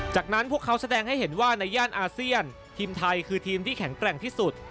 จากนั้นพวกเขาแสดงให้เห็นว่าในย่านอาเซียนทีมไทยคือทีมที่แข็งแกร่งที่สุด